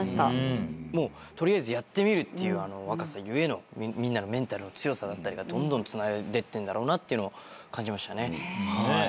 取りあえずやってみるという若さ故のみんなのメンタルの強さだったりがどんどんつないでってんだろうなというのを感じましたね。